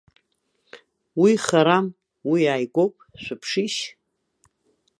Уи харам, уи ааигәоуп, шәыԥшишь.